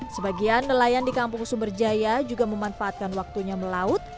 sebagian nelayan di kampung sumberjaya juga memanfaatkan waktunya melaut